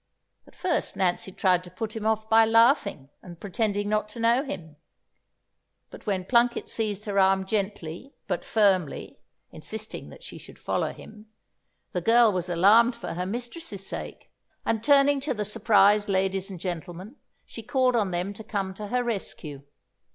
At first Nancy tried to put him off by laughing and pretending not to know him; but when Plunket seized her arm gently, but firmly, insisting that she should follow him, the girl was alarmed for her mistress's sake, and turning to the surprised ladies and gentlemen, she called on them to come to her rescue.